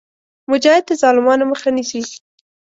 مجاهد د ظالمانو مخه نیسي.